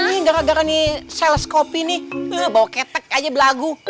ini emang darah darah sales kopi nih bawa ketek aja belagu